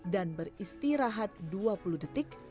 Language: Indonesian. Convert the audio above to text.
dan beristirahat dua puluh detik